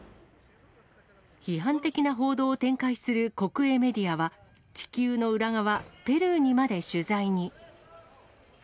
批判的な報道を展開する国営メディアは、地球の裏側、ペルーにまで取材に。